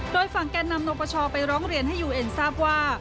โดยฝั่งแก่นำนปชไปร้องเรียนให้ยูเอ็นทราบว่า